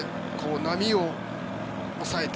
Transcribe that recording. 波を抑えて。